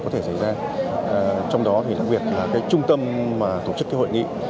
trong đó thì là việc trung tâm tổ chức hội nghị